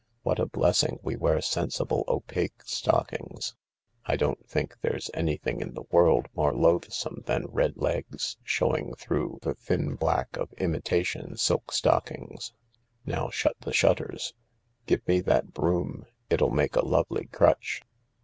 What a blessing we wear sensible, opaque stockings. I don't think there's anything in the world more loathsome than red legs showing through the thin blackof imitation silk stockings. Now shut the shutters. Give me that broom — it'll make a lovely crutch."